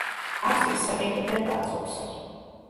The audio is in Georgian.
არწივს საკენკი ვერ გააძღობო